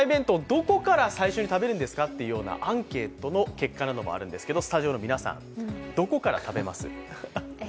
どこから最初に食べるんですかというアンケートの結果もあるんですけどスタジオの皆さん、どこから食べます？